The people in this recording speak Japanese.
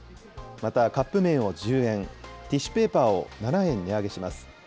また、カップ麺を１０円、ティッシュペーパーを７円値上げします。